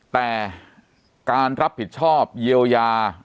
แต่การรับผิดชอบเยียวยา